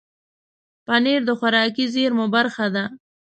پنېر د خوراکي زېرمو برخه ده.